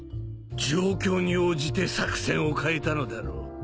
状況に応じて作戦を変えたのだろう。